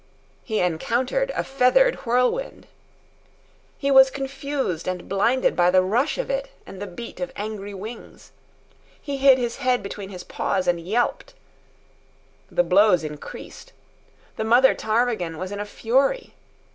He encountered a feathered whirlwind. He was confused and blinded by the rush of it and the beat of angry wings. He hid his head between his paws and yelped. The blows increased. The mother ptarmigan was in a fury.